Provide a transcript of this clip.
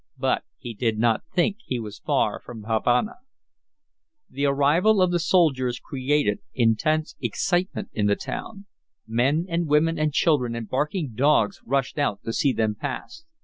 But he did not think he was far from Havana. The arrival of the soldiers created intense excitement in the town. Men and women and children and barking dogs rushed out to see them pass.